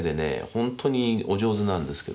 本当にお上手なんですけどね